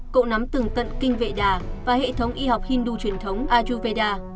cậu nắm từng tận kinh vệ đà và hệ thống y học hindu truyền thống ajuveda